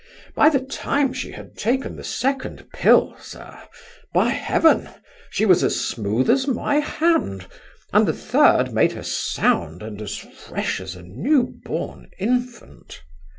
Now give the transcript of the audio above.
By the time she had taken the second pill, sir, by Heaven! she was as smooth as my hand, and the third made her sound and as fresh as a new born infant.